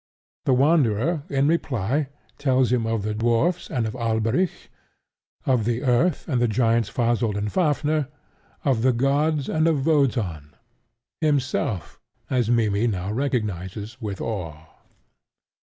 The Wanderer, in reply, tells him of the dwarfs and of Alberic; of the earth, and the giants Fasolt and Fafnir; of the gods and of Wotan: himself, as Mimmy now recognizes with awe.